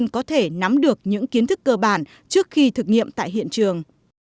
có thể nắm được những kiến thức cơ bản trước khi thực nghiệm tại hiện trường